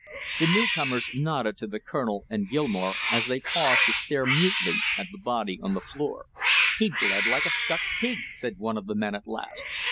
The new comers nodded to the colonel and Gilmore as they paused to stare mutely at the body on the floor. "He bled like a stuck pig!" said one of the men at last.